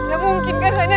tidak mungkin kak rania